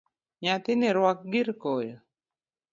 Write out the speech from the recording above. Nyathini ruak girkoyo.